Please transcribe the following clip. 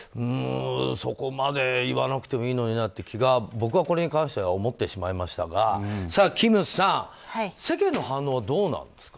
そこまで言わなくてもいいのになっていう気が僕はこれに関しては思ってしまいましたが金さん、世間の反応はどうなんですか？